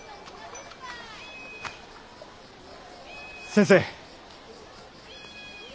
先生。